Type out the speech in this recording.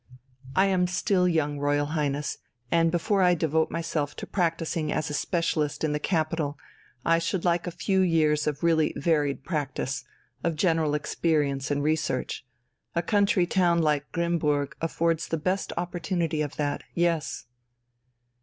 "I am still young, Royal Highness, and before I devote myself to practising as a specialist in the capital I should like a few years of really varied practice, of general experience and research. A country town like Grimmburg affords the best opportunity of that. Yes."